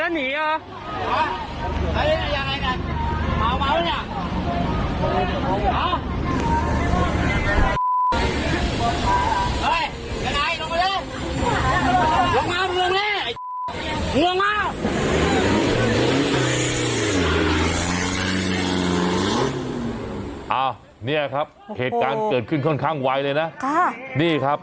อันนี้ครับเหตุการณ์เกิดขึ้นค่อนข้างไวเลยนะ